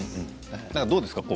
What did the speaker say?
どうですか？